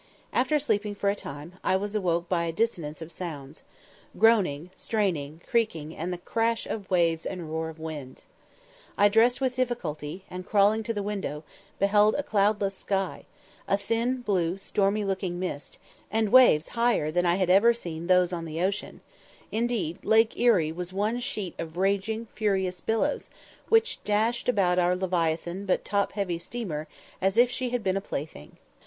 After sleeping for a time, I was awoke by a dissonance of sounds groaning, straining, creaking, and the crash of waves and roar of winds. I dressed with difficulty, and, crawling to the window, beheld a cloudless sky, a thin, blue, stormy looking mist, and waves higher than I had ever seen those on the ocean; indeed, Lake Erie was one sheet of raging, furious billows, which dashed about our leviathan but top heavy steamer as if she had been a plaything.